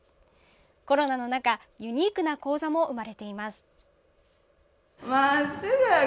コロナの中ユニークな講座も生まれています。